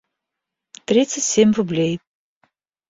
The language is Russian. тридцать семь рублей